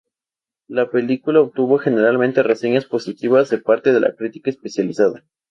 La película obtuvo generalmente reseñas positivas de parte de la crítica especializada.